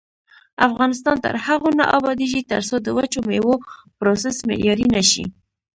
افغانستان تر هغو نه ابادیږي، ترڅو د وچو میوو پروسس معیاري نشي.